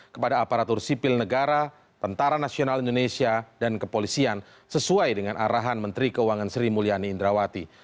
kepada aparatur sipil negara tentara nasional indonesia dan kepolisian sesuai dengan arahan menteri keuangan sri mulyani indrawati